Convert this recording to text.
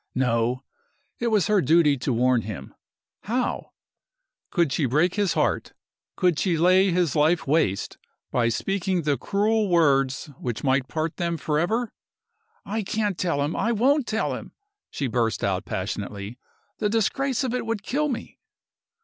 No! it was her duty to warn him. How? Could she break his heart, could she lay his life waste by speaking the cruel words which might part them forever? "I can't tell him! I won't tell him!" she burst out, passionately. "The disgrace of it would kill me!"